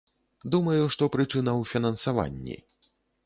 Думаю, што прычына ў фінансаванні.